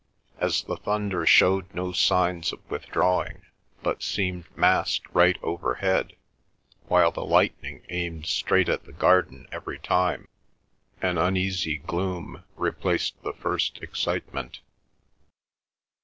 As the thunder showed no signs of withdrawing, but seemed massed right overhead, while the lightning aimed straight at the garden every time, an uneasy gloom replaced the first excitement.